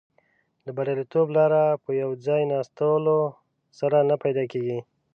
د بریالیتوب لاره په یو ځای ناستلو سره نه پیدا کیږي.